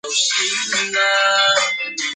皇宫的第一层是厨房和侍从的房间。